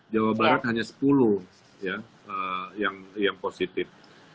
jawa barat hanya sepuluh yang positif